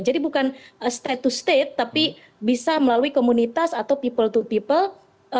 jadi bukan state to state tapi bisa melalui komunitas atau people to people